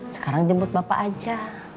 sekarang jemput bapak aja